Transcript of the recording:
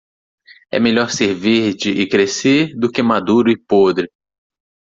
É melhor ser verde e crescer do que maduro e podre.